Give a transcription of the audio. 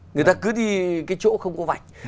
người ta cứ đi cái chỗ không có vạch